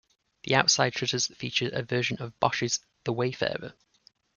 The outside shutters feature a version of Bosch's "The Wayfarer".